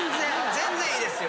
全然いいですよ。